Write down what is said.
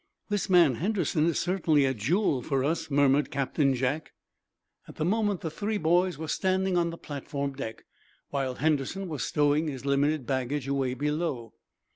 "This man Henderson is certainly a jewel for us," murmured Captain Jack. At the moment the three boys were standing on the platform deck, while Henderson was stowing his limited baggage away below.